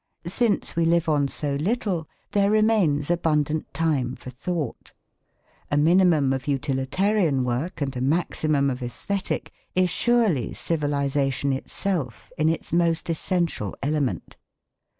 Since we live on so little, there remains abundant time for thought. A minimum of utilitarian work and a maximum of æsthetic, is surely civilisation itself in its most essential element.